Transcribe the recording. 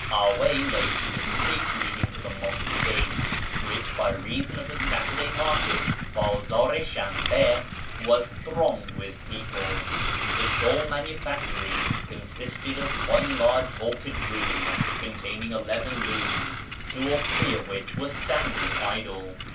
Our way lay through the street leading to the Mosque Gate, which, by reason of the Saturday market {Bdzdr i Shaiiiba), was thronged KIRMAN society 441 with people. The shawl manufactory consisted of one large vaulted room containing eleven looms, two or three of which were standing idle.